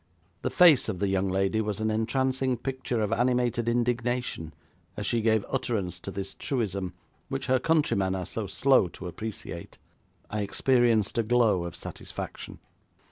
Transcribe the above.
The face of the young lady was an entrancing picture of animated indignation as she gave utterance to this truism which her countrymen are so slow to appreciate. I experienced a glow of satisfaction.